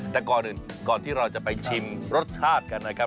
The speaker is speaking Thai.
แต่ก่อนที่เราจะไปชิมรสชาติกันนะครับ